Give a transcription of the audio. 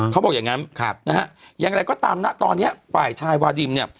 เขาบอกอย่างนั้นนะฮะอย่างไรก็ตามนะตอนนี้ฝ่ายชายวาดิมเนี่ย